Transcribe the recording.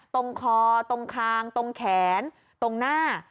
ตรงคอตรงคางตรงแขนตรงหน้า